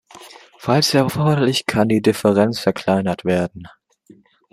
Falls erforderlich kann die Differenz verkleinert werden.